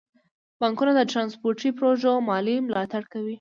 بانکونه د ترانسپورتي پروژو مالي ملاتړ کوي.